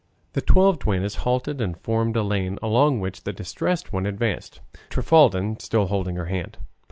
The twelve duennas halted and formed a lane, along which the Distressed One advanced, Trifaldin still holding her hand.